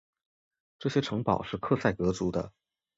这些城堡是克塞格族的。